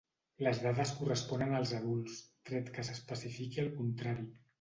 Les dades corresponen als adults, tret que s'especifiqui el contrari.